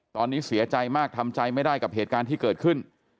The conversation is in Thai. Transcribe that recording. ตอนนี้เสียใจมากทำใจไม่ได้กับเหตุการณ์ที่เกิดขึ้น